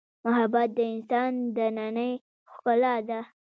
محبت د انسان دنننۍ ښکلا ده.